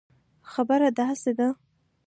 خبره داسي ده